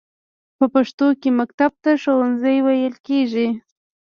په پښتو کې مکتب ته ښوونځی ویل کیږی.